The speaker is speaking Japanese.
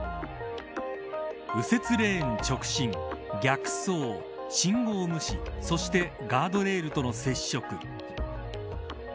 右折レーン直進逆走、信号無視そしてガードレールとの接触。